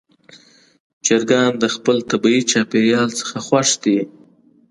چرګان د خپل طبیعي چاپېریال څخه خوښ دي.